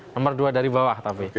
nomor dua dari bawah tapi